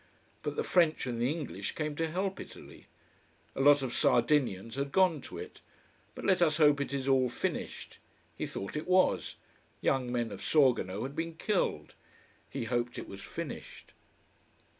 But the French and the English came to help Italy. A lot of Sardinians had gone to it. But let us hope it is all finished. He thought it was young men of Sorgono had been killed. He hoped it was finished.